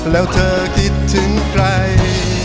แล้วเธอคิดถึงใคร